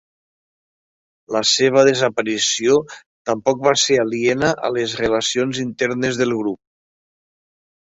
La seva desaparició tampoc va ser aliena a les relacions internes del grup.